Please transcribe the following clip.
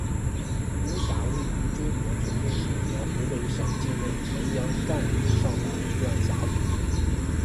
巫峡位于中国重庆市和湖北省境内长江干流上的一段峡谷。